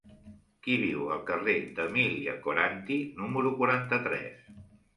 Qui viu al carrer d'Emília Coranty número quaranta-tres?